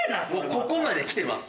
ここまできてます。